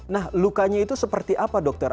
nah lukanya itu seperti apa dokter